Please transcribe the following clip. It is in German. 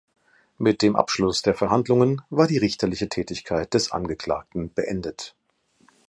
Mit dem Abschluss der Verhandlungen war die richterliche Tätigkeit des Angeklagten beendet.